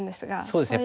そうですね